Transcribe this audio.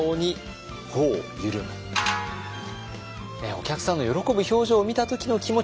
お客さんの喜ぶ表情を見た時の気持ち。